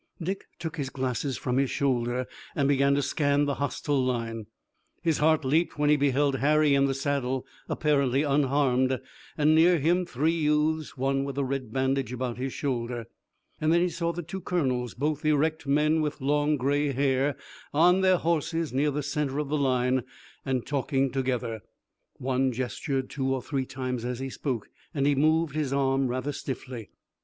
Dick took his glasses from his shoulder and began to scan the hostile line. His heart leaped when he beheld Harry in the saddle, apparently unharmed, and near him three youths, one with a red bandage about his shoulder. Then he saw the two colonels, both erect men with long, gray hair, on their horses near the center of the line, and talking together. One gestured two or three times as he spoke, and he moved his arm rather stiffly.